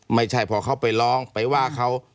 ไม่ใช่พอเขาไปร้องไปว่าเขา